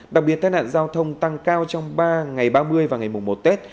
đặc biệt tai nạn giao thông tăng cao trong ba ngày ba mươi và ngày mùng một tết